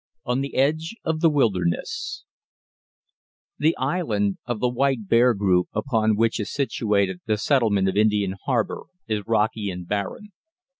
III. ON THE EDGE OF THE WILDERNESS The island of the White Bear group upon which is situated the settlement of Indian Harbour is rocky and barren.